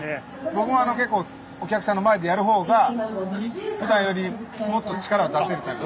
僕も結構お客さんの前でやるほうがふだんよりもっと力は出せるタイプ。